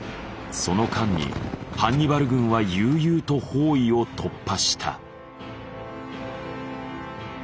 その間にハンニバル軍は悠々と包囲を突破した。